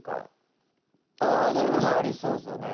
ってのもありそうっすよね。